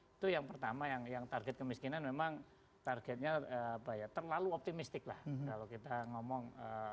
itu yang pertama yang target kemiskinan memang targetnya terlalu optimistik lah kalau kita ngomong